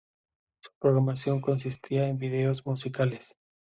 Su programación consistía en vídeos musicales.